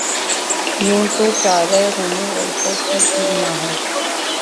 یوں ہو‘ تو چارۂ غمِ الفت ہی کیوں نہ ہو